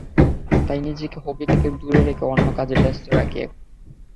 তাই নিজেকে হকি থেকে দূরে রেখে অন্য কাজে ব্যস্ত রাখি এখন।